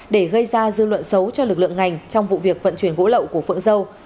để gây ra dư luận xấu cho lực lượng ngành trong vụ việc vận chuyển gỗ lậu của phượng dâu